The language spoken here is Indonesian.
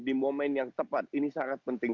di momen yang tepat ini sangat penting